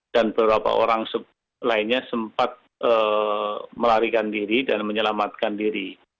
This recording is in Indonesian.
dan beberapa orang lainnya sempat melarikan diri dan menyelamatkan diri